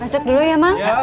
masuk dulu ya mang